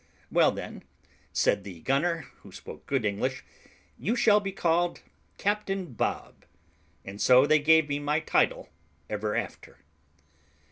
"Well, then," said the gunner, who spoke good English, "you shall be called Captain Bob;" and so they gave me my title ever after.